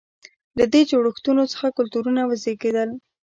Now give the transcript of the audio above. له دې جوړښتونو څخه کلتورونه وزېږېدل.